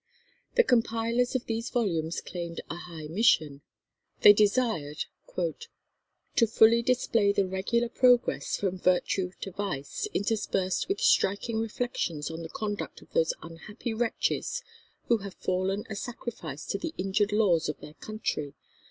The compilers of these volumes claimed a high mission. They desired "to fully display the regular progress from Virtue to Vice, interspersed with striking reflections on the conduct of those unhappy wretches who have fallen a sacrifice to the injured laws of their country.